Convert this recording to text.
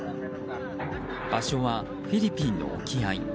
場所はフィリピンの沖合。